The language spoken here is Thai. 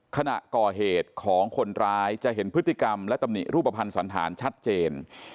ขณะก่อเหตุของคนร้ายจะเห็นพฤติกรรมและตำหนิรูปภัณฑ์สันธารชัดเจน